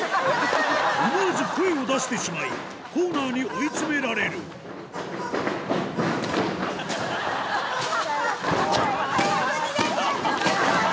思わず声を出してしまいコーナーに追い詰められる早く逃げて！